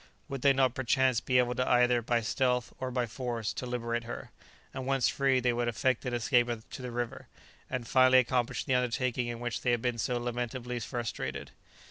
would they not perchance be able either by stealth or by force to liberate her, and once free they would effect an escape to the river, and finally accomplish the undertaking in which they had been so lamentably frustrated.